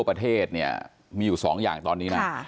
ประเทศเนี่ยมีอยู่๒อย่างตอนนี้นะ